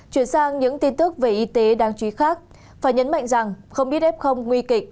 chuyển sang những tin tức về y tế đáng chú ý khác phải nhấn mạnh rằng không biết f nguy kịch